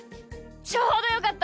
ちょうどよかった。